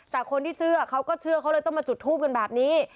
แต่คนที่เชื่อเขาก็เชื่อเขาเลยต้องมาจุดทูปกันแบบนี้